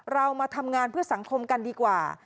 เรามาทำงานเพื่อสังคมกันดีกว่า